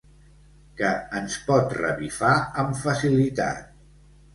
Que ens pot revifar amb facilitat.